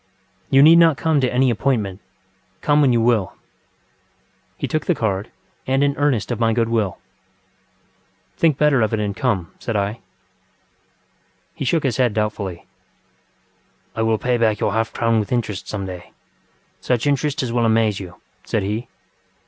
You need not come to any appointment. Come when you will. ŌĆØ He took the card, and an earnest of my good will. ŌĆ£Think better of it and come, ŌĆØ said I. He shook his head doubtfully. ŌĆ£I will pay back your half crown with interest some dayŌĆösuch interest as will amaze you, ŌĆØ said he.